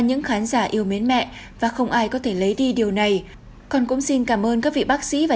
những khán giả yêu mến mẹ và không ai có thể lấy đi điều này còn cũng xin cảm ơn các vị bác sĩ và